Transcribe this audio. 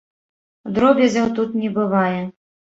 Дробязяў тут не бывае.